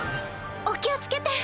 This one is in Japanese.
お気を付けて！